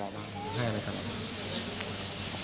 ใช่เลยครับ